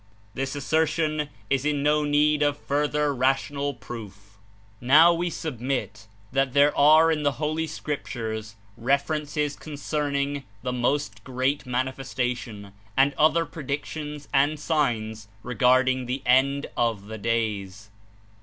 This assertion is in no need of further rational proof. Now we submit that there are in the Holy Scrip tures references concerning the most great Manifes tation, and other predictions and signs regarding the end of the days.